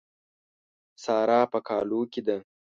سارا په کالو کې ده.